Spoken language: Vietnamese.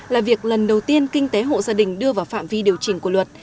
là việc lần đầu tiên kinh tế hộ gia đình đưa vào phạm vi điều chỉnh của luật